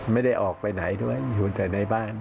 ไม่ได้ออกไปไหนด้วยอยู่แต่ในบ้าน